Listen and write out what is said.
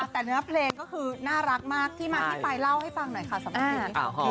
แต่เนื้อเพลงก็คือน่ารักมากที่มาที่ไปเล่าให้ฟังหน่อยค่ะสำหรับนี้